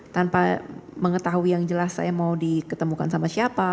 tanpa mengetahui yang jelas saya mau diketemukan sama siapa